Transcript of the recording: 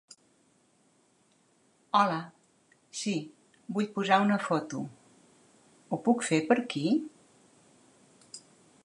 Hola, sí, vull posar una foto, ho puc fer per aquí?